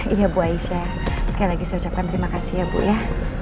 iya bu aisyah sekali lagi saya ucapkan terima kasih ya bu ya